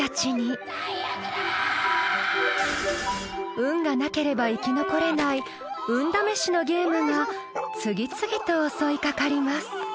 ［運がなければ生き残れない運試しのゲームが次々と襲い掛かります］